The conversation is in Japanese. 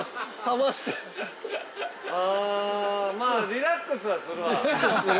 ◆まあ、リラックスはするわ。